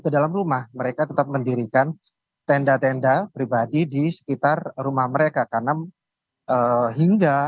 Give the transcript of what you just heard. ke dalam rumah mereka tetap mendirikan tenda tenda pribadi di sekitar rumah mereka karena hingga